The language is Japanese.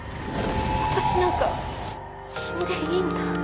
私なんか死んでいいんだ。